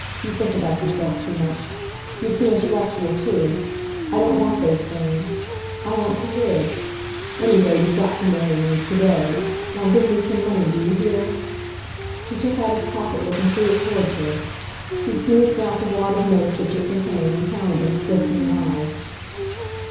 You think about yourself too much. You're too intellectual, too. I don't want those things. I want to live! Any way, you've got to marry me to day. Now give me some money, do you hear?" He took out his pocketbook and threw it towards her. She smoothed out the wad of notes which it contained and counted them with glistening eyes.